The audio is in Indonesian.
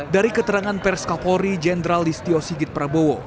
dari keterangan pers kapolri jenderal listio sigit prabowo